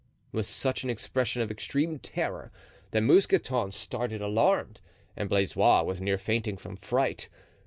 with such an expression of extreme terror that Mousqueton started, alarmed, and Blaisois was near fainting from fright.